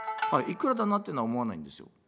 いくらだなっていうのは思わないんですよ。